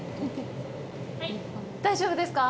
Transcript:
大丈夫ですか？